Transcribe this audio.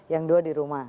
yang dua di rumah